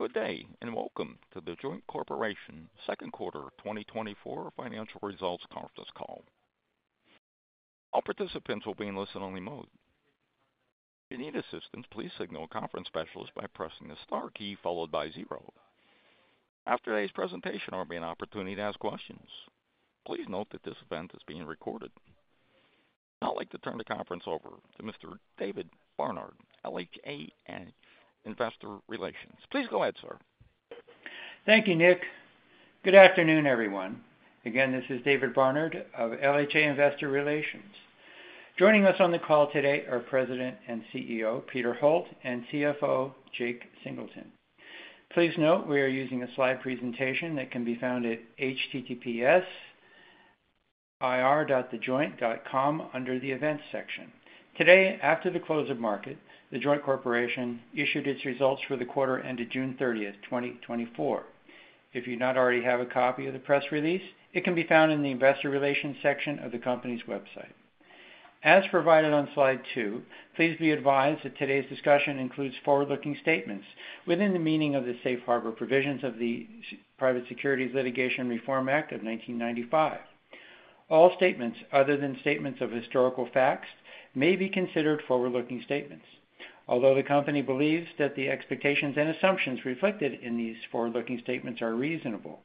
Good day, and welcome to The Joint Corporation Q2 2024 financial results conference call. All participants will be in listen-only mode. If you need assistance, please signal a conference specialist by pressing the star key followed by zero. After today's presentation, there will be an opportunity to ask questions. Please note that this event is being recorded. Now, I'd like to turn the conference over to Mr. David Barnard, LHA Investor Relations. Please go ahead, sir. Thank you, Nick. Good afternoon, everyone. Again, this is David Barnard of LHA Investor Relations. Joining us on the call today are President and CEO Peter Holt and CFO Jake Singleton. Please note we are using a slide presentation that can be found at https://ir.thejoint.com under the Events section. Today, after the close of market, The Joint Corporation issued its results for the quarter ended June 30, 2024. If you do not already have a copy of the press release, it can be found in the Investor Relations section of the company's website. As provided on slide 2, please be advised that today's discussion includes forward-looking statements within the meaning of the Safe Harbor Provisions of the Private Securities Litigation Reform Act of 1995. All statements other than statements of historical facts may be considered forward-looking statements. Although the company believes that the expectations and assumptions reflected in these forward-looking statements are reasonable,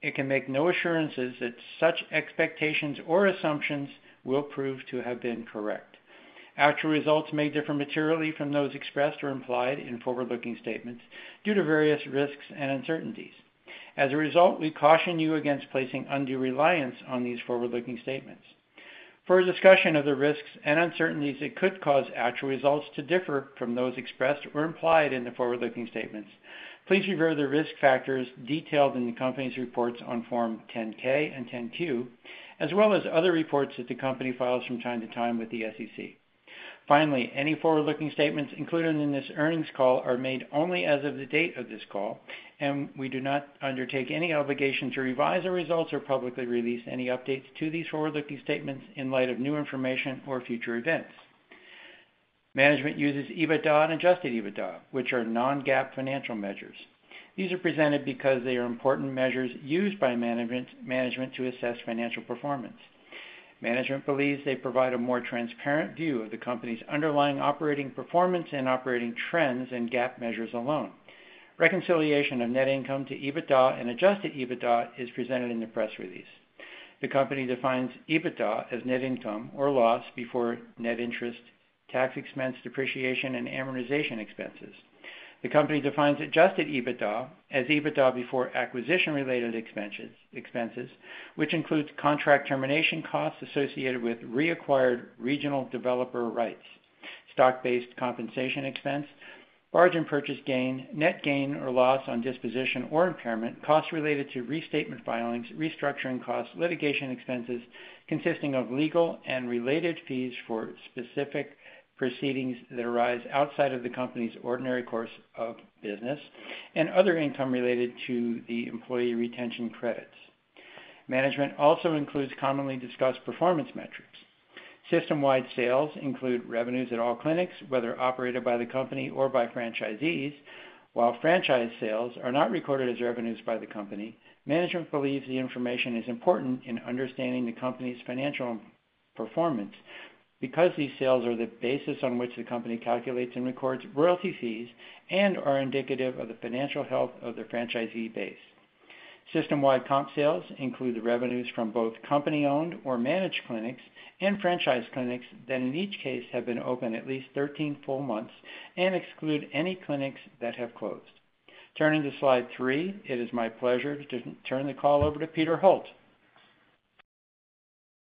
it can make no assurances that such expectations or assumptions will prove to have been correct. Actual results may differ materially from those expressed or implied in forward-looking statements due to various risks and uncertainties. As a result, we caution you against placing undue reliance on these forward-looking statements. For a discussion of the risks and uncertainties that could cause actual results to differ from those expressed or implied in the forward-looking statements, please review the risk factors detailed in the company's reports on Form 10-K and 10-Q, as well as other reports that the company files from time to time with the SEC. Finally, any forward-looking statements included in this earnings call are made only as of the date of this call, and we do not undertake any obligation to revise the results or publicly release any updates to these forward-looking statements in light of new information or future events. Management uses EBITDA and adjusted EBITDA, which are non-GAAP financial measures. These are presented because they are important measures used by management to assess financial performance. Management believes they provide a more transparent view of the company's underlying operating performance and operating trends in GAAP measures alone. Reconciliation of net income to EBITDA and adjusted EBITDA is presented in the press release. The company defines EBITDA as net income or loss before net interest, tax expense, depreciation, and amortization expenses. The company defines adjusted EBITDA as EBITDA before acquisition-related expenses, which includes contract termination costs associated with reacquired regional developer rights, stock-based compensation expense, bargain purchase gain, net gain or loss on disposition or impairment, costs related to restatement filings, restructuring costs, litigation expenses consisting of legal and related fees for specific proceedings that arise outside of the company's ordinary course of business, and other income related to the employee retention credits. Management also includes commonly discussed performance metrics. System-wide sales include revenues at all clinics, whether operated by the company or by franchisees. While franchise sales are not recorded as revenues by the company, management believes the information is important in understanding the company's financial performance because these sales are the basis on which the company calculates and records royalty fees and are indicative of the financial health of the franchisee base. System-wide comp sales include the revenues from both company-owned or managed clinics and franchise clinics that, in each case, have been open at least 13 full months and exclude any clinics that have closed. Turning to slide 3, it is my pleasure to turn the call over to Peter Holt.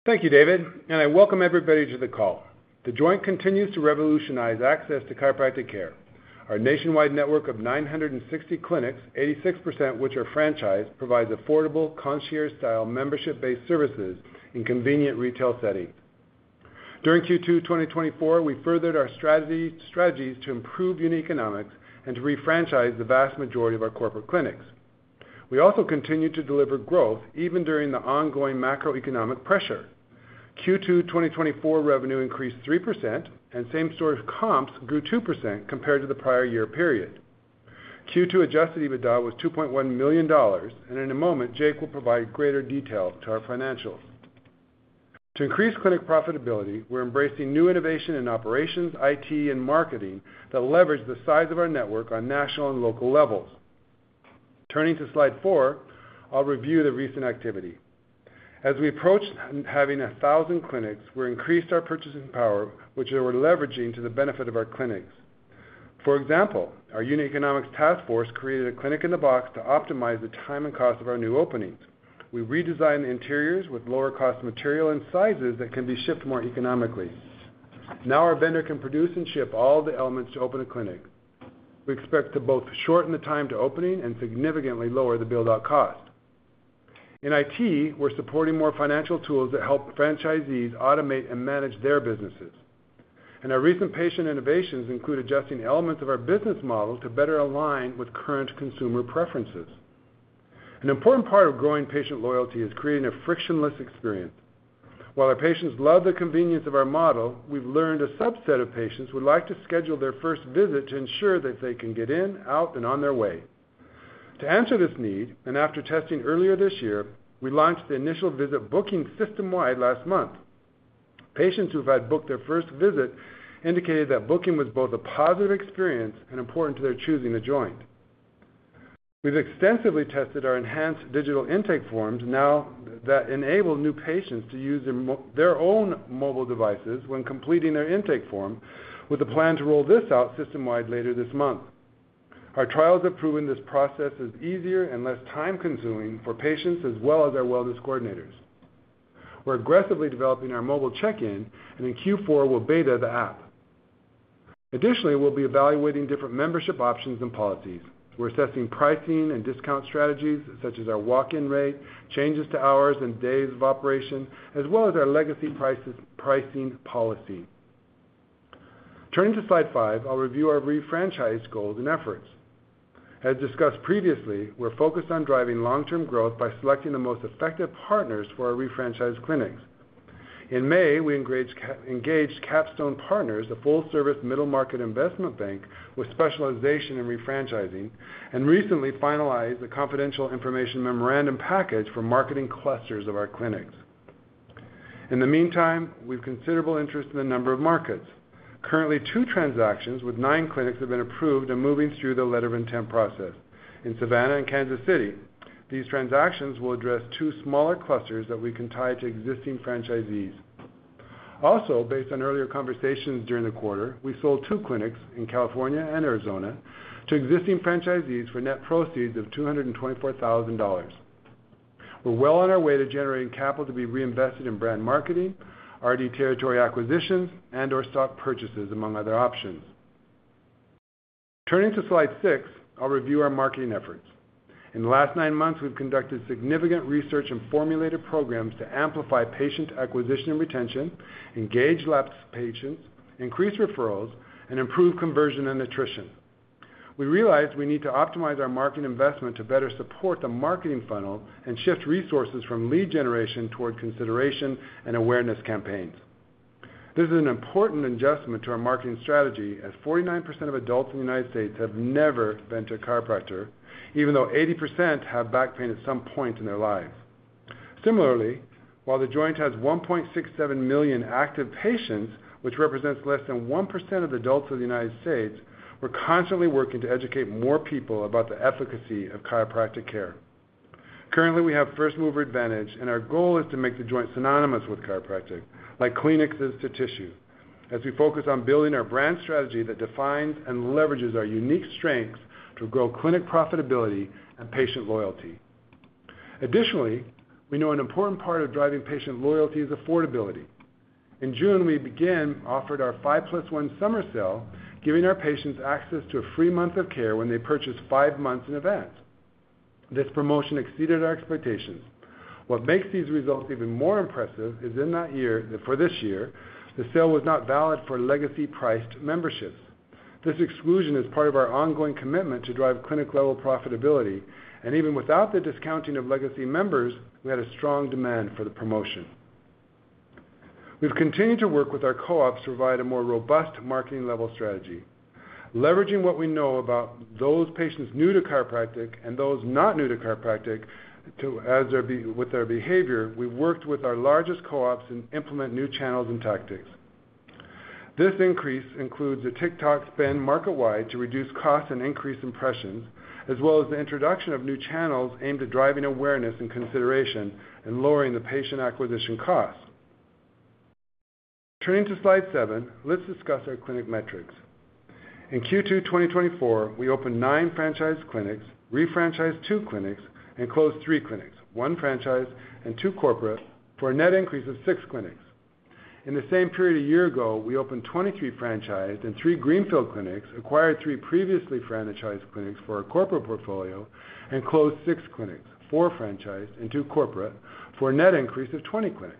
Thank you, David, and I welcome everybody to the call. The Joint continues to revolutionize access to chiropractic care. Our nationwide network of 960 clinics, 86% which are franchised, provides affordable, concierge-style, membership-based services in convenient retail settings. During Q2 2024, we furthered our strategy, strategies to improve unit economics and to refranchise the vast majority of our corporate clinics. We also continued to deliver growth even during the ongoing macroeconomic pressure. Q2 2024 revenue increased 3%, and same-store comps grew 2% compared to the prior year period. Q2 adjusted EBITDA was $2.1 million, and in a moment, Jake will provide greater detail to our financials. To increase clinic profitability, we're embracing new innovation in operations, IT, and marketing to leverage the size of our network on national and local levels. Turning to slide 4, I'll review the recent activity. As we approach having 1,000 clinics, we increased our purchasing power, which we're leveraging to the benefit of our clinics. For example, our unit economics task force created a Clinic-in-a-Box to optimize the time and cost of our new openings. We redesigned the interiors with lower-cost material and sizes that can be shipped more economically. Now, our vendor can produce and ship all the elements to open a clinic. We expect to both shorten the time to opening and significantly lower the build-out cost. In IT, we're supporting more financial tools that help franchisees automate and manage their businesses. Our recent patient innovations include adjusting elements of our business model to better align with current consumer preferences. An important part of growing patient loyalty is creating a frictionless experience. While our patients love the convenience of our model, we've learned a subset of patients would like to schedule their first visit to ensure that they can get in, out, and on their way. To answer this need, and after testing earlier this year, we launched the Initial Visit Booking system-wide last month. Patients who had booked their first visit indicated that booking was both a positive experience and important to their choosing The Joint. We've extensively tested our enhanced digital intake forms now that enable new patients to use their own mobile devices when completing their intake form, with a plan to roll this out system-wide later this month. Our trials have proven this process is easier and less time-consuming for patients as well as our wellness coordinators. We're aggressively developing our Mobile Check-in, and in Q4, we'll beta the app. Additionally, we'll be evaluating different membership options and policies. We're assessing pricing and discount strategies, such as our walk-in rate, changes to hours and days of operation, as well as our legacy pricing policy. Turning to Slide 5, I'll review our refranchise goals and efforts. As discussed previously, we're focused on driving long-term growth by selecting the most effective partners for our refranchised clinics. In May, we engaged Capstone Partners, a full-service middle-market investment bank with specialization in refranchising, and recently finalized a confidential information memorandum package for marketing clusters of our clinics. In the meantime, we've considerable interest in a number of markets. Currently, two transactions with nine clinics have been approved and moving through the letter of intent process in Savannah and Kansas City. These transactions will address two smaller clusters that we can tie to existing franchisees. Also, based on earlier conversations during the quarter, we sold 2 clinics in California and Arizona to existing franchisees for net proceeds of $224,000. We're well on our way to generating capital to be reinvested in brand marketing, RD territory acquisitions, and/or stock purchases, among other options. Turning to Slide 6, I'll review our marketing efforts. In the last 9 months, we've conducted significant research and formulated programs to amplify patient acquisition and retention, engage lapsed patients, increase referrals, and improve conversion and attrition. We realized we need to optimize our marketing investment to better support the marketing funnel and shift resources from lead generation toward consideration and awareness campaigns. This is an important adjustment to our marketing strategy, as 49% of adults in the United States have never been to a chiropractor, even though 80% have back pain at some point in their lives. Similarly, while The Joint has 1.67 million active patients, which represents less than 1% of adults in the United States, we're constantly working to educate more people about the efficacy of chiropractic care. Currently, we have first-mover advantage, and our goal is to make The Joint synonymous with chiropractic, like Kleenex is to tissue, as we focus on building our brand strategy that defines and leverages our unique strengths to grow clinic profitability and patient loyalty. Additionally, we know an important part of driving patient loyalty is affordability. In June, we began offering our Five Plus One Summer Sale, giving our patients access to a free month of care when they purchase five months in advance. This promotion exceeded our expectations. What makes these results even more impressive is, for this year, the sale was not valid for legacy-priced memberships. This exclusion is part of our ongoing commitment to drive clinic-level profitability, and even without the discounting of legacy members, we had a strong demand for the promotion. We've continued to work with our co-ops to provide a more robust marketing-level strategy. Leveraging what we know about those patients new to chiropractic and those not new to chiropractic, with their behavior, we've worked with our largest co-ops to implement new channels and tactics. This increase includes a TikTok spend market-wide to reduce costs and increase impressions, as well as the introduction of new channels aimed at driving awareness and consideration and lowering the patient acquisition costs. Turning to Slide 7, let's discuss our clinic metrics. In Q2 2024, we opened 9 franchise clinics, refranchised 2 clinics, and closed 3 clinics, 1 franchise and 2 corporate, for a net increase of 6 clinics. In the same period a year ago, we opened 23 franchise and 3 greenfield clinics, acquired 3 previously franchised clinics for our corporate portfolio, and closed 6 clinics, 4 franchise and 2 corporate, for a net increase of 20 clinics.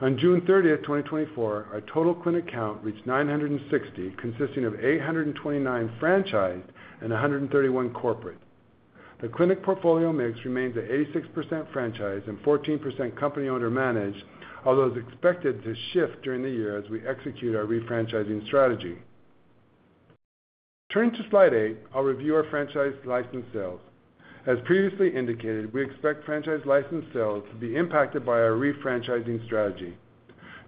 On June 30, 2024, our total clinic count reached 960, consisting of 829 franchise and 131 corporate. The clinic portfolio mix remains at 86% franchise and 14% company owned or managed, although it's expected to shift during the year as we execute our refranchising strategy. Turning to Slide 8, I'll review our franchise license sales. As previously indicated, we expect franchise license sales to be impacted by our refranchising strategy.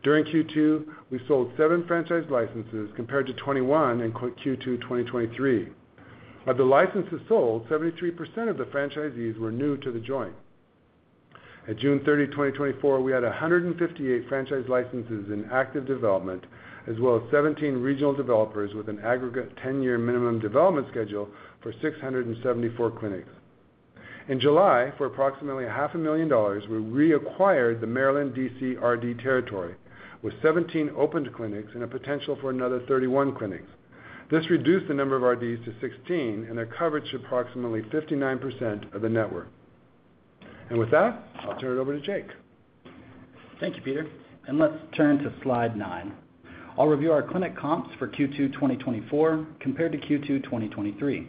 During Q2, we sold 7 franchise licenses, compared to 21 in Q2 2023. Of the licenses sold, 73% of the franchisees were new to The Joint. At June thirtieth, 2024, we had 158 franchise licenses in active development, as well as 17 regional developers with an aggregate ten-year minimum development schedule for 674 clinics. In July, for approximately $500,000, we reacquired the Maryland D.C. RD territory with 17 opened clinics and a potential for another 31 clinics. This reduced the number of RDs to 16, and their coverage to approximately 59% of the network. With that, I'll turn it over to Jake. Thank you, Peter, and let's turn to slide 9. I'll review our clinic comps for Q2 2024 compared to Q2 2023.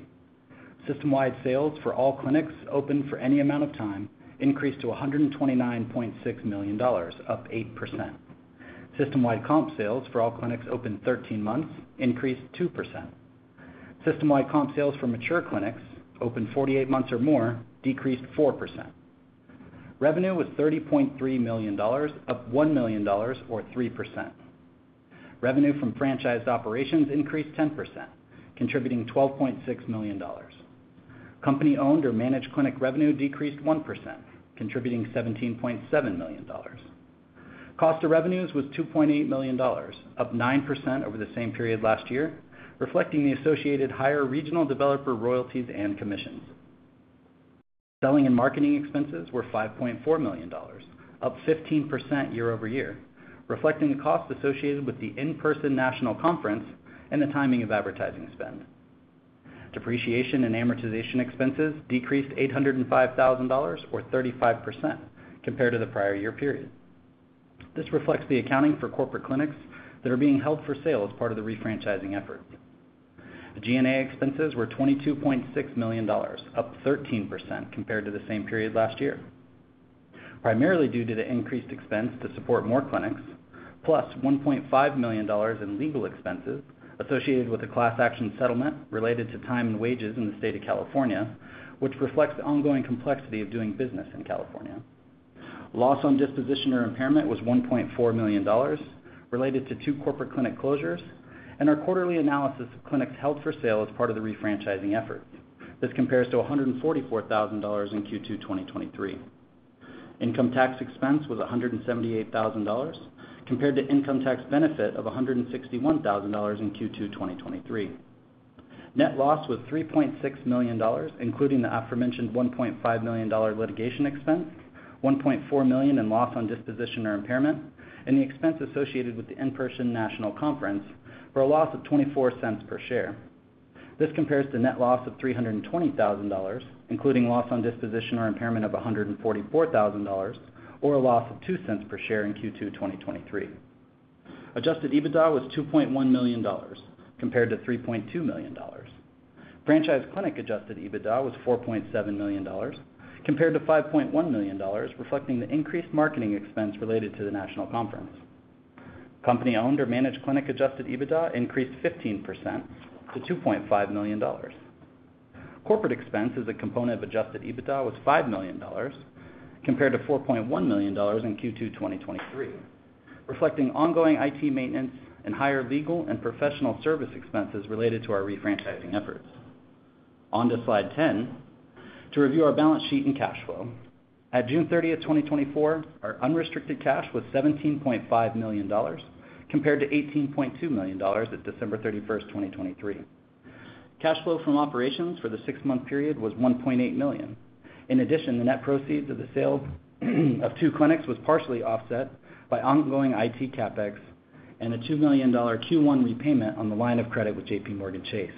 System-wide sales for all clinics open for any amount of time increased to $129.6 million, up 8%. System-wide comp sales for all clinics open 13 months increased 2%. System-wide comp sales for mature clinics, open 48 months or more, decreased 4%. Revenue was $30.3 million, up $1 million or 3%. Revenue from franchised operations increased 10%, contributing $12.6 million. Company-owned or managed clinic revenue decreased 1%, contributing $17.7 million. Cost of revenues was $2.8 million, up 9% over the same period last year, reflecting the associated higher Regional Developer royalties and commissions. Selling and marketing expenses were $5.4 million, up 15% year-over-year, reflecting the costs associated with the in-person national conference and the timing of advertising spend. Depreciation and amortization expenses decreased $805,000 or 35% compared to the prior year period. This reflects the accounting for corporate clinics that are being held for sale as part of the refranchising effort. The G&A expenses were $22.6 million, up 13% compared to the same period last year, primarily due to the increased expense to support more clinics, plus $1.5 million in legal expenses associated with a class action settlement related to time and wages in the state of California, which reflects the ongoing complexity of doing business in California. Loss on disposition or impairment was $1.4 million, related to two corporate clinic closures and our quarterly analysis of clinics held for sale as part of the refranchising effort. This compares to $144,000 in Q2 2023. Income tax expense was $178,000, compared to income tax benefit of $161,000 in Q2 2023. Net loss was $3.6 million, including the aforementioned $1.5 million litigation expense, $1.4 million in loss on disposition or impairment, and the expense associated with the in-person national conference, for a loss of $0.24 per share. This compares to net loss of $320,000, including loss on disposition or impairment of $144,000, or a loss of $0.02 per share in Q2 2023. Adjusted EBITDA was $2.1 million, compared to $3.2 million. Franchise clinic adjusted EBITDA was $4.7 million, compared to $5.1 million, reflecting the increased marketing expense related to the national conference. Company-owned or managed clinic adjusted EBITDA increased 15% to $2.5 million. Corporate expense as a component of adjusted EBITDA was $5 million, compared to $4.1 million in Q2 2023, reflecting ongoing IT maintenance and higher legal and professional service expenses related to our refranchising efforts. On to slide 10, to review our balance sheet and cash flow. At June 30, 2024, our unrestricted cash was $17.5 million, compared to $18.2 million at December 31, 2023. Cash flow from operations for the six-month period was $1.8 million. In addition, the net proceeds of the sale of two clinics was partially offset by ongoing IT CapEx and a $2 million Q1 repayment on the line of credit with JPMorgan Chase.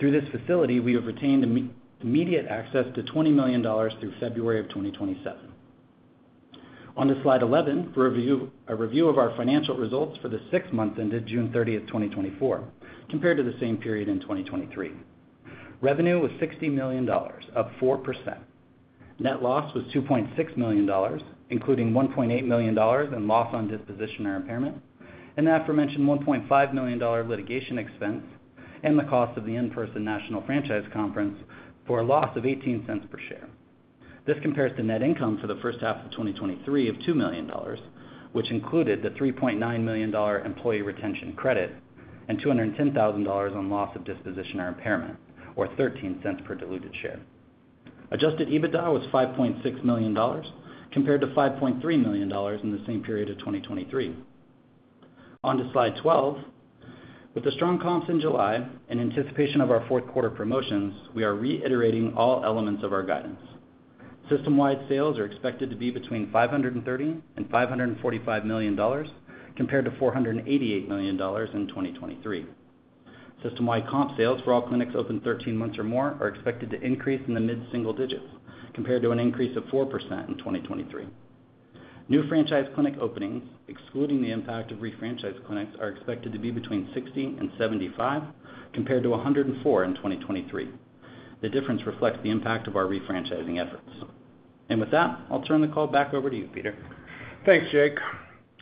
Through this facility, we have retained immediate access to $20 million through February 2027. On to slide 11, for a review of our financial results for the six months ended June 30, 2024, compared to the same period in 2023. Revenue was $60 million, up 4%. Net loss was $2.6 million, including $1.8 million in loss on disposition or impairment, and the aforementioned $1.5 million litigation expense, and the cost of the in-person national franchise conference, for a loss of $0.18 per share. This compares to net income for the first half of 2023 of $2 million, which included the $3.9 million employee retention credit and $210,000 on loss of disposition or impairment, or $0.13 per diluted share. Adjusted EBITDA was $5.6 million, compared to $5.3 million in the same period of 2023. On to slide 12. With the strong comps in July, in anticipation of our Q4 promotions, we are reiterating all elements of our guidance. System-wide sales are expected to be between $530 million and $545 million, compared to $488 million in 2023. System-wide comp sales for all clinics open 13 months or more are expected to increase in the mid-single digits, compared to an increase of 4% in 2023. New franchise clinic openings, excluding the impact of refranchised clinics, are expected to be between 60 and 75, compared to 104 in 2023. The difference reflects the impact of our refranchising efforts. And with that, I'll turn the call back over to you, Peter. Thanks, Jake.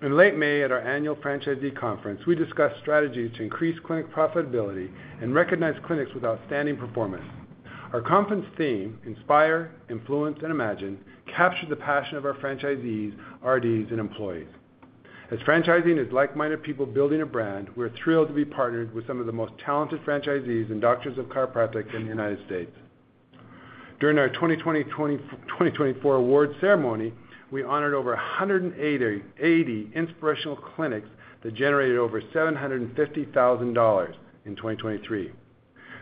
In late May, at our annual franchisee conference, we discussed strategies to increase clinic profitability and recognize clinics with outstanding performance. Our conference theme, Inspire, Influence, and Imagine, captured the passion of our franchisees, RDs, and employees. As franchising is like-minded people building a brand, we're thrilled to be partnered with some of the most talented franchisees and doctors of chiropractic in the United States. During our 2024 awards ceremony, we honored over 180 inspirational clinics that generated over $750,000 in 2023.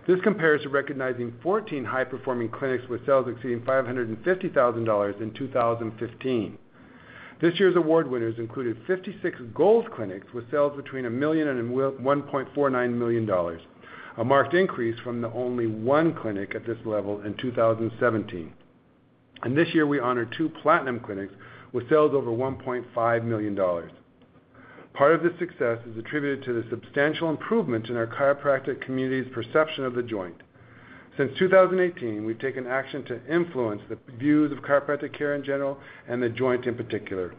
This compares to recognizing 14 high-performing clinics with sales exceeding $550,000 in 2015. This year's award winners included 56 gold clinics with sales between $1 million and $1.49 million, a marked increase from the only one clinic at this level in 2017. This year, we honored 2 platinum clinics with sales over $1.5 million.... Part of this success is attributed to the substantial improvement in our chiropractic community's perception of The Joint. Since 2018, we've taken action to influence the views of chiropractic care in general and The Joint in particular.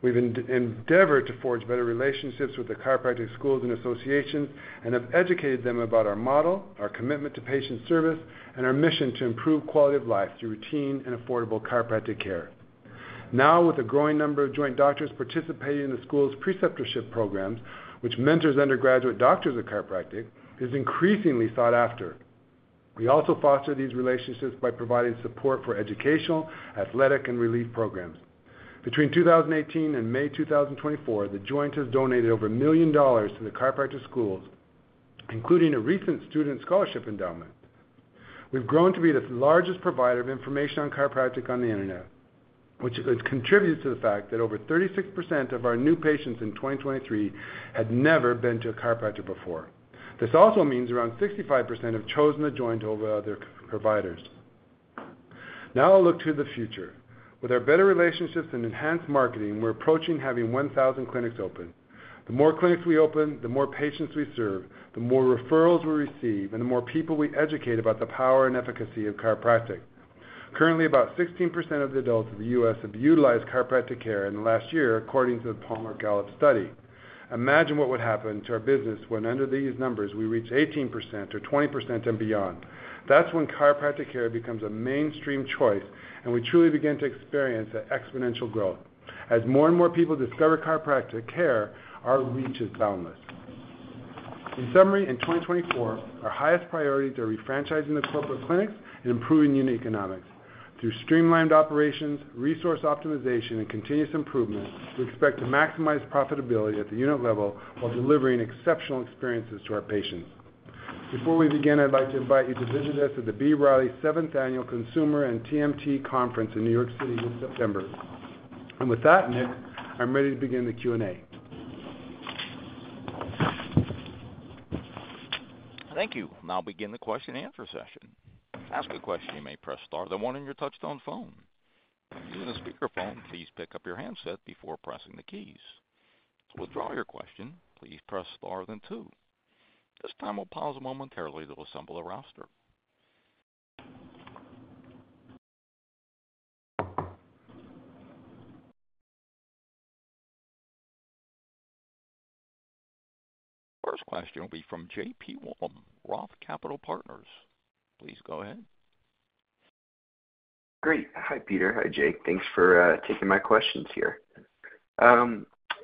We've endeavored to forge better relationships with the chiropractic schools and associations, and have educated them about our model, our commitment to patient service, and our mission to improve quality of life through routine and affordable chiropractic care. Now, with a growing number of Joint doctors participating in the school's preceptorship programs, which mentors undergraduate doctors of chiropractic, is increasingly sought after. We also foster these relationships by providing support for educational, athletic, and relief programs. Between 2018 and May 2024, The Joint has donated over $1 million to the chiropractic schools, including a recent student scholarship endowment. We've grown to be the largest provider of information on chiropractic on the internet, which contributes to the fact that over 36% of our new patients in 2023 had never been to a chiropractor before. This also means around 65% have chosen The Joint over other providers. Now I'll look to the future. With our better relationships and enhanced marketing, we're approaching having 1,000 clinics open. The more clinics we open, the more patients we serve, the more referrals we receive, and the more people we educate about the power and efficacy of chiropractic. Currently, about 16% of the adults in the U.S. have utilized chiropractic care in the last year, according to the Palmer Gallup study. Imagine what would happen to our business when, under these numbers, we reach 18% or 20% and beyond. That's when chiropractic care becomes a mainstream choice, and we truly begin to experience that exponential growth. As more and more people discover chiropractic care, our reach is boundless. In summary, in 2024, our highest priorities are refranchising the corporate clinics and improving unit economics. Through streamlined operations, resource optimization, and continuous improvement, we expect to maximize profitability at the unit level while delivering exceptional experiences to our patients. Before we begin, I'd like to invite you to visit us at the Berenberg 7th Annual Consumer and TMT Conference in New York City this September. With that, Nick, I'm ready to begin the Q&A. Thank you. Now begin the question and answer session. To ask a question, you may press star, the one on your touchtone phone. Using a speakerphone, please pick up your handset before pressing the keys. To withdraw your question, please press star then two. This time, we'll pause momentarily to assemble a roster. First question will be from Jeff Van Sinderen, Roth MKM. Please go ahead. Great. Hi, Peter. Hi, Jake. Thanks for taking my questions here.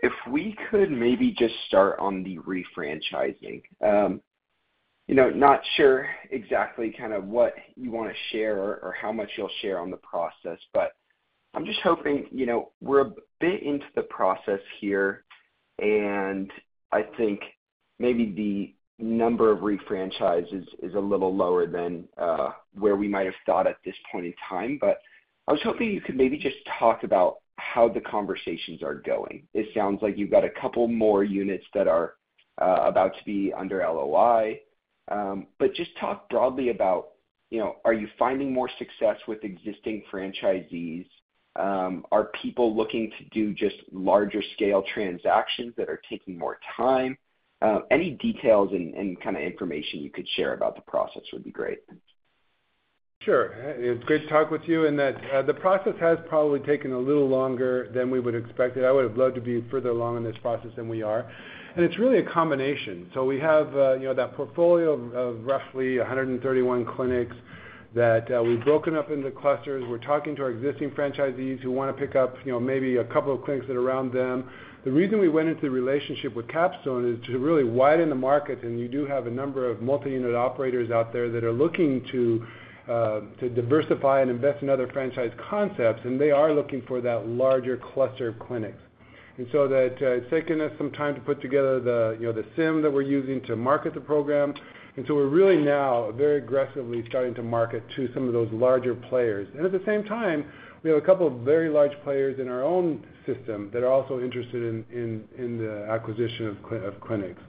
If we could maybe just start on the refranchising. You know, not sure exactly kind of what you wanna share or, or how much you'll share on the process, but I'm just hoping, you know, we're a bit into the process here, and I think maybe the number of refranchises is a little lower than where we might have thought at this point in time, but I was hoping you could maybe just talk about how the conversations are going. It sounds like you've got a couple more units that are about to be under LOI. But just talk broadly about, you know, are you finding more success with existing franchisees? Are people looking to do just larger scale transactions that are taking more time? Any details and kind of information you could share about the process would be great. Sure. It's great to talk with you, and that the process has probably taken a little longer than we would expected. I would have loved to be further along in this process than we are, and it's really a combination. So we have, you know, that portfolio of roughly 131 clinics that we've broken up into clusters. We're talking to our existing franchisees who wanna pick up, you know, maybe a couple of clinics that are around them. The reason we went into the relationship with Capstone is to really widen the market, and you do have a number of multi-unit operators out there that are looking to diversify and invest in other franchise concepts, and they are looking for that larger cluster of clinics. And so that's taken us some time to put together the, you know, the CIM that we're using to market the program. And so we're really now very aggressively starting to market to some of those larger players. And at the same time, we have a couple of very large players in our own system that are also interested in the acquisition of clinics.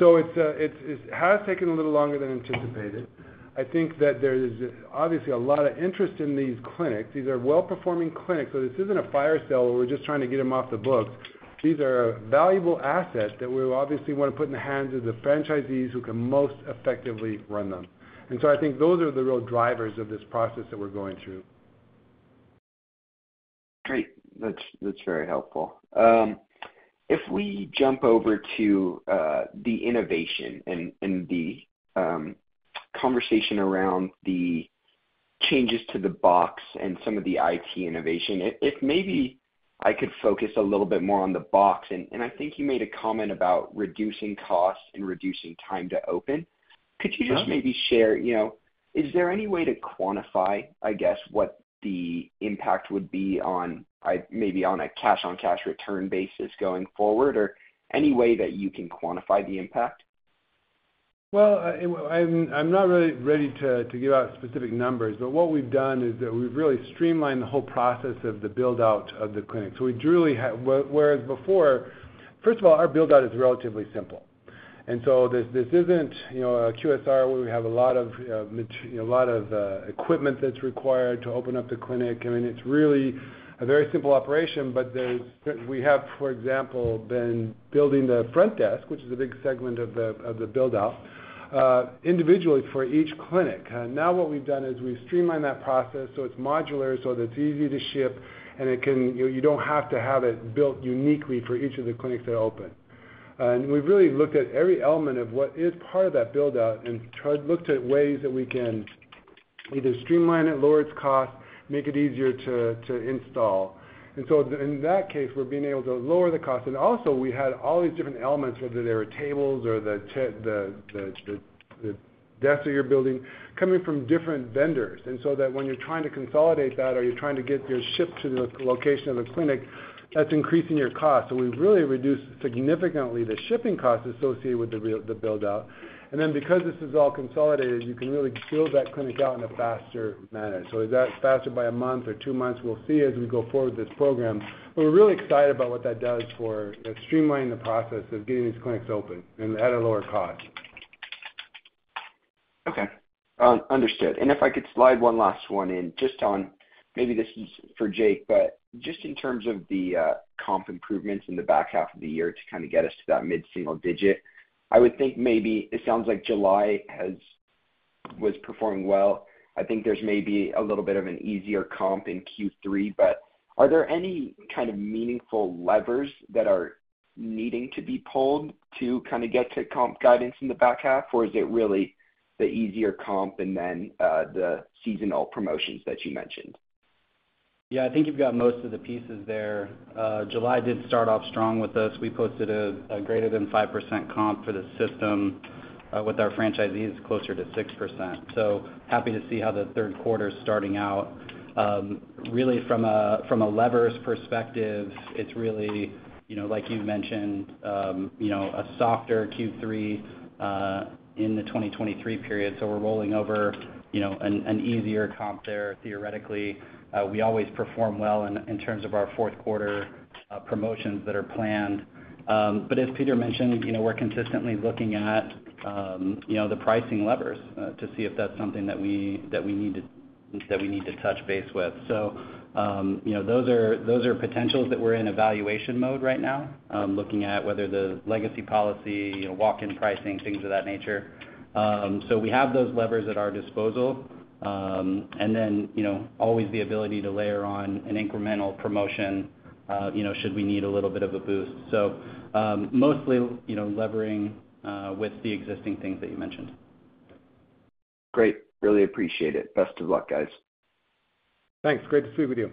So it's taken a little longer than anticipated. I think that there is obviously a lot of interest in these clinics. These are well-performing clinics, so this isn't a fire sale where we're just trying to get them off the books. These are valuable assets that we obviously wanna put in the hands of the franchisees who can most effectively run them. I think those are the real drivers of this process that we're going through. Great. That's very helpful. If we jump over to the innovation and the conversation around the changes to the box and some of the IT innovation, if maybe I could focus a little bit more on the box, and I think you made a comment about reducing costs and reducing time to open. Sure. Could you just maybe share, you know, is there any way to quantify, I guess, what the impact would be on, maybe on a cash-on-cash return basis going forward, or any way that you can quantify the impact? Well, I'm not really ready to give out specific numbers, but what we've done is that we've really streamlined the whole process of the build-out of the clinic. So we truly had... whereas before-- First of all, our build-out is relatively simple.... And so this isn't, you know, a QSR, where we have a lot of, you know, a lot of equipment that's required to open up the clinic. I mean, it's really a very simple operation, but there's-- we have, for example, been building the front desk, which is a big segment of the build-out, individually for each clinic. Now what we've done is we've streamlined that process so it's modular, so that it's easy to ship, and it can, you know, you don't have to have it built uniquely for each of the clinics that open. And we've really looked at every element of what is part of that build-out and looked at ways that we can either streamline it, lower its cost, make it easier to install. And so in that case, we're being able to lower the cost. And also, we had all these different elements, whether they were tables or the desks that you're building, coming from different vendors. And so that when you're trying to consolidate that or you're trying to get your ship to the location of the clinic, that's increasing your cost. We've really reduced significantly the shipping costs associated with the build-out. Then, because this is all consolidated, you can really build that clinic out in a faster manner. Is that faster by a month or two months? We'll see as we go forward with this program. We're really excited about what that does for streamlining the process of getting these clinics open and at a lower cost. Okay. Understood. And if I could slide one last one in, just on... Maybe this is for Jake, but just in terms of the, comp improvements in the back half of the year to kind of get us to that mid-single digit, I would think maybe it sounds like July was performing well. I think there's maybe a little bit of an easier comp in Q3, but are there any kind of meaningful levers that are needing to be pulled to kind of get to comp guidance in the back half? Or is it really the easier comp and then, the seasonal promotions that you mentioned? Yeah, I think you've got most of the pieces there. July did start off strong with us. We posted a greater than 5% comp for the system with our franchisees, closer to 6%. So happy to see how the Q3 is starting out. Really, from a levers perspective, it's really, you know, like you've mentioned, you know, a softer Q3 in the 2023 period. So we're rolling over, you know, an easier comp there, theoretically. We always perform well in terms of our Q4 promotions that are planned. But as Peter mentioned, you know, we're consistently looking at, you know, the pricing levers to see if that's something that we need to touch base with. So, you know, those are, those are potentials that we're in evaluation mode right now, looking at whether the legacy pricing, walk-in pricing, things of that nature. So we have those levers at our disposal, and then, you know, always the ability to layer on an incremental promotion, you know, should we need a little bit of a boost. So, mostly, you know, levering, with the existing things that you mentioned. Great. Really appreciate it. Best of luck, guys. Thanks. Great to speak with you.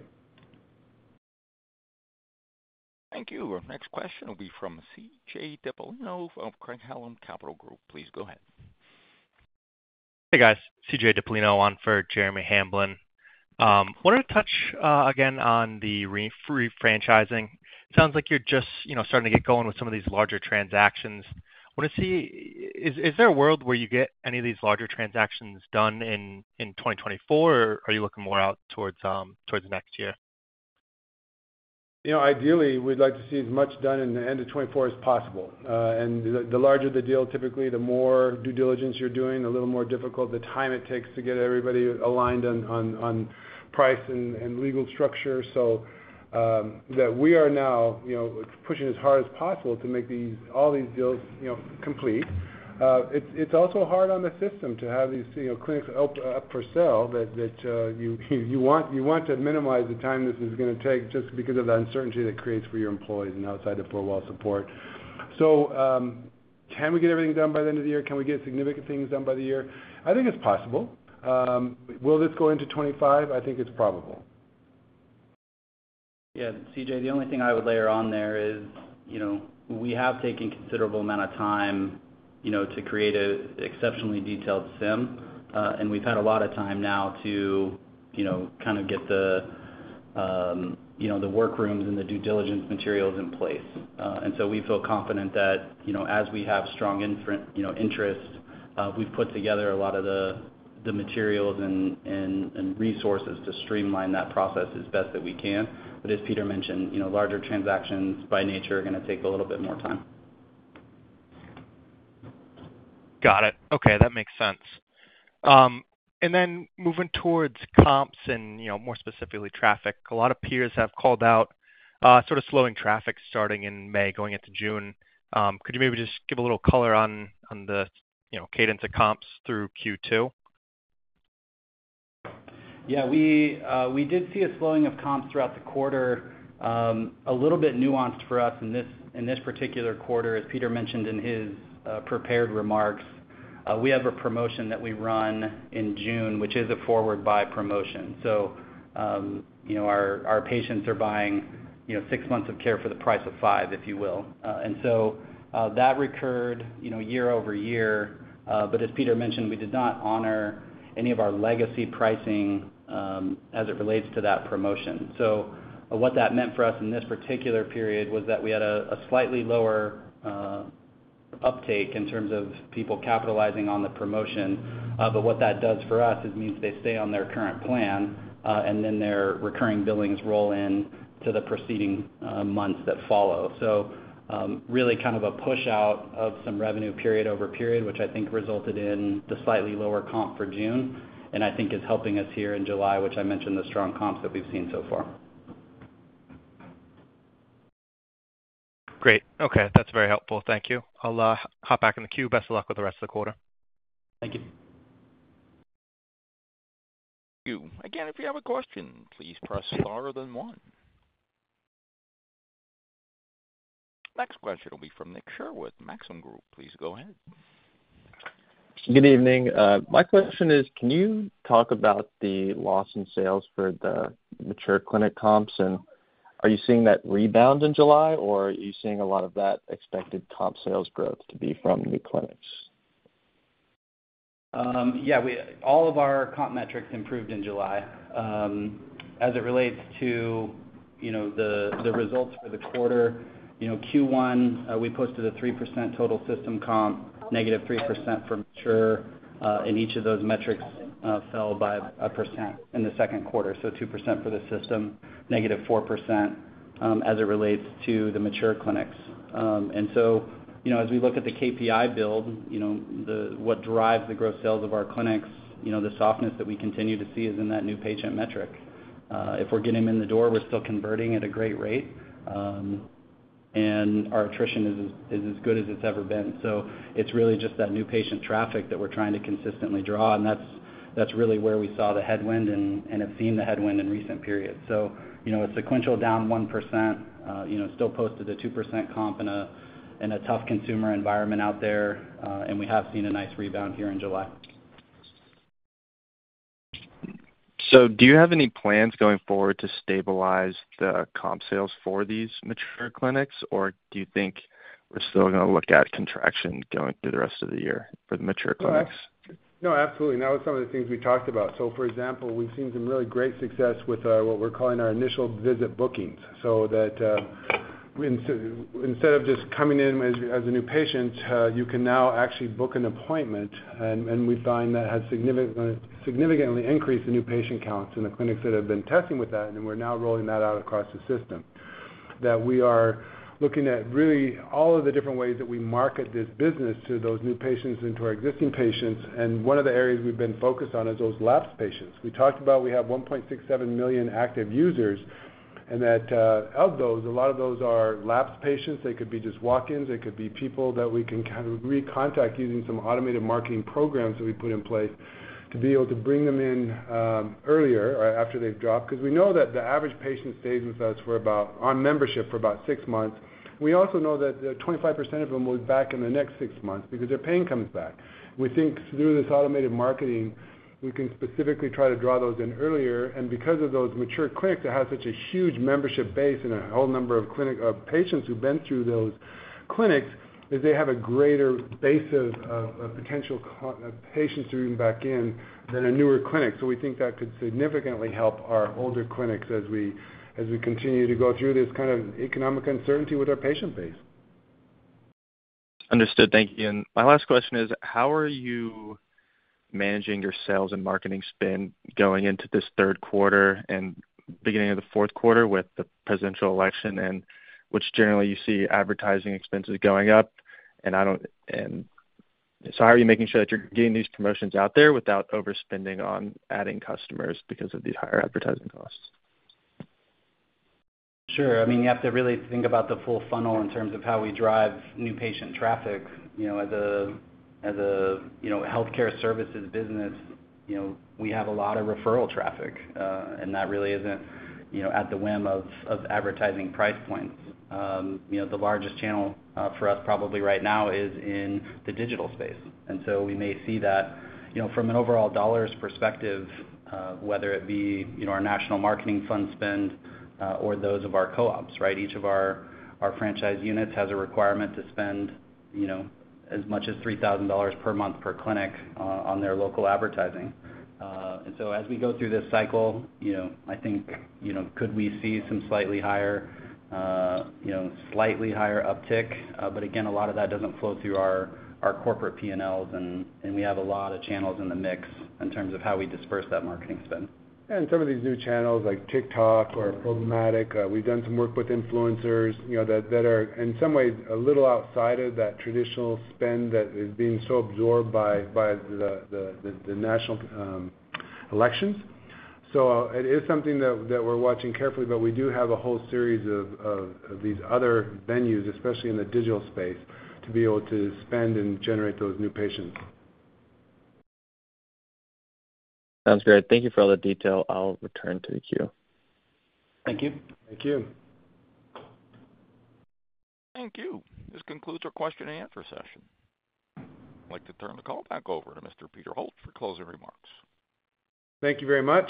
Thank you. Our next question will be from C.J. Dipollino of Craig-Hallum Capital Group. Please go ahead. Hey, guys. C.J. Dipollino on for Jeremy Hamblin. Wanted to touch again on the refranchising. It sounds like you're just, you know, starting to get going with some of these larger transactions. Want to see, is there a world where you get any of these larger transactions done in 2024, or are you looking more out towards next year? You know, ideally, we'd like to see as much done in the end of 2024 as possible. And the larger the deal, typically, the more due diligence you're doing, a little more difficult, the time it takes to get everybody aligned on price and legal structure. So, that we are now, you know, pushing as hard as possible to make all these deals, you know, complete. It's also hard on the system to have these, you know, clinics up for sale, that you want to minimize the time this is gonna take just because of the uncertainty that creates for your employees and outside of four wall support. So, can we get everything done by the end of the year? Can we get significant things done by the year? I think it's possible. Will this go into 2025? I think it's probable. Yeah, C.J., the only thing I would layer on there is, you know, we have taken considerable amount of time, you know, to create an exceptionally detailed CIM, and we've had a lot of time now to, you know, kind of get the work rooms and the due diligence materials in place. And so we feel confident that, you know, as we have strong interest, you know, we've put together a lot of the materials and resources to streamline that process as best that we can. But as Peter mentioned, you know, larger transactions, by nature, are gonna take a little bit more time. Got it. Okay, that makes sense. And then moving towards comps and, you know, more specifically, traffic. A lot of peers have called out, sort of slowing traffic starting in May, going into June. Could you maybe just give a little color on the, you know, cadence of comps through Q2? Yeah, we, we did see a slowing of comps throughout the quarter, a little bit nuanced for us in this, in this particular quarter. As Peter mentioned in his, prepared remarks, we have a promotion that we run in June, which is a forward buy promotion. So, you know, our, our patients are buying, you know, six months of care for the price of five, if you will. And so, that recurred, you know, year over year, but as Peter mentioned, we did not honor any of our legacy pricing, as it relates to that promotion. So what that meant for us in this particular period was that we had a, a slightly lower uptake in terms of people capitalizing on the promotion. But what that does for us is means they stay on their current plan, and then their recurring billings roll in to the preceding months that follow. So, really kind of a push-out of some revenue period over period, which I think resulted in the slightly lower comp for June, and I think is helping us here in July, which I mentioned, the strong comps that we've seen so far. Great. Okay, that's very helpful. Thank you. I'll hop back in the queue. Best of luck with the rest of the quarter. Thank you. You again, if you have a question, please press star then one. Next question will be from Nick Sherwood, Maxim Group. Please go ahead. Good evening. My question is, can you talk about the loss in sales for the mature clinic comps, and are you seeing that rebound in July, or are you seeing a lot of that expected comp sales growth to be from new clinics? Yeah, we all of our comp metrics improved in July. As it relates to, you know, the results for the quarter, you know, Q1, we posted a 3% total system comp, -3% for mature, and each of those metrics fell by 1% in the Q2. So 2% for the system, -4%, as it relates to the mature clinics. And so, you know, as we look at the KPI build, you know, what drives the growth sales of our clinics, you know, the softness that we continue to see is in that new patient metric. If we're getting them in the door, we're still converting at a great rate, and our attrition is as good as it's ever been. So it's really just that new patient traffic that we're trying to consistently draw, and that's, that's really where we saw the headwind and, and have seen the headwind in recent periods. So, you know, a sequential down 1%, you know, still posted a 2% comp in a, in a tough consumer environment out there, and we have seen a nice rebound here in July. So do you have any plans going forward to stabilize the comp sales for these mature clinics? Or do you think we're still gonna look at contraction going through the rest of the year for the mature clinics? No, absolutely. Now, some of the things we talked about. So for example, we've seen some really great success with what we're calling our Initial Visit Bookings. So that, instead of just coming in as a new patient, you can now actually book an appointment, and we find that has significantly increased the new patient counts in the clinics that have been testing with that, and we're now rolling that out across the system. That we are looking at, really, all of the different ways that we market this business to those new patients and to our existing patients, and one of the areas we've been focused on is those lapsed patients. We talked about we have 1.67 million active users, and that of those, a lot of those are lapsed patients. They could be just walk-ins, they could be people that we can kind of recontact using some automated marketing programs that we put in place, to be able to bring them in, earlier or after they've dropped. Because we know that the average patient stays with us for about, on membership, for about six months. We also know that, 25% of them will be back in the next six months because their pain comes back. We think through this automated marketing, we can specifically try to draw those in earlier, and because of those mature clinics that have such a huge membership base and a whole number of clinic patients who've been through those clinics, is they have a greater base of potential patients to bring back in than a newer clinic. We think that could significantly help our older clinics as we continue to go through this kind of economic uncertainty with our patient base. Understood. Thank you. My last question is: how are you managing your sales and marketing spend going into this Q3 and beginning of the Q4 with the presidential election, and which generally you see advertising expenses going up? So how are you making sure that you're getting these promotions out there without overspending on adding customers because of these higher advertising costs? Sure. I mean, you have to really think about the full funnel in terms of how we drive new patient traffic. You know, as a healthcare services business, you know, we have a lot of referral traffic, and that really isn't, you know, at the whim of advertising price points. You know, the largest channel for us, probably right now, is in the digital space. And so we may see that, you know, from an overall dollars perspective, whether it be, you know, our national marketing fund spend, or those of our co-ops, right? Each of our franchise units has a requirement to spend, you know, as much as $3,000 per month per clinic on their local advertising. and so as we go through this cycle, you know, I think, you know, could we see some slightly higher, you know, slightly higher uptick? But again, a lot of that doesn't flow through our, our corporate PNLs, and, and we have a lot of channels in the mix in terms of how we disperse that marketing spend. And some of these new channels, like TikTok or programmatic, we've done some work with influencers, you know, that are, in some ways, a little outside of that traditional spend that is being so absorbed by the national elections. So it is something that we're watching carefully, but we do have a whole series of these other venues, especially in the digital space, to be able to spend and generate those new patients. Sounds great. Thank you for all the detail. I'll return to the queue. Thank you. Thank you. Thank you. This concludes our question and answer session. I'd like to turn the call back over to Mr. Peter Holt for closing remarks. Thank you very much.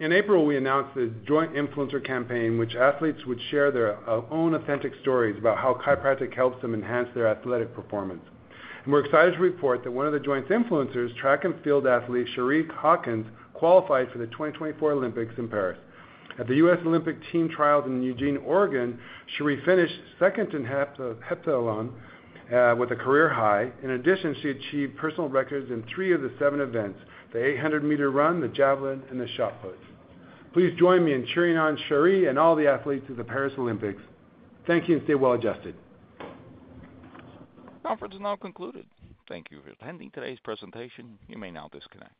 In April, we announced a Joint influencer campaign, which athletes would share their own authentic stories about how chiropractic helps them enhance their athletic performance. We're excited to report that one of the Joint influencers, track and field athlete, Chari Hawkins, qualified for the 2024 Olympics in Paris. At the U.S. Olympic Team Trials in Eugene, Oregon, Chari finished second in heptathlon with a career high. In addition, she achieved personal records in three of the seven events: the 800-meter run, the javelin, and the shot put. Please join me in cheering on Chari and all the athletes to the Paris Olympics. Thank you, and stay well adjusted. Conference is now concluded. Thank you for attending today's presentation. You may now disconnect.